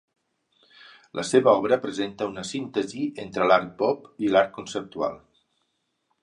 La seva obra presenta una síntesi entre l'art pop i l'art conceptual.